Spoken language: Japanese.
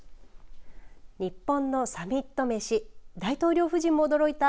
日本のサミット飯大統領夫人も驚いた！